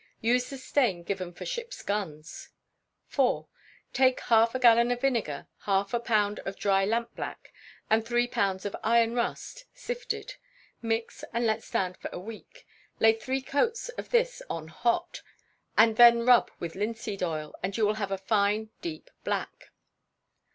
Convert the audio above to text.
Use the stain given for ships' guns. iv. Take half a gallon of vinegar, half a pound of dry lampblack, and three pounds of iron rust, sifted. Mix, and let stand for a week. Lay three coats of this on hot, and then rub with linseed oil, and you will have a fine deep black.